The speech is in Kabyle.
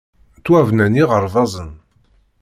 Ttwabnan yiɣerbazen.